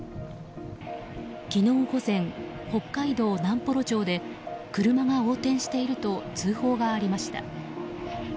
昨日午前、北海道南幌町で車が横転していると通報がありました。